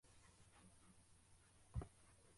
umukobwa wicaye mumuriro kugirango yerekane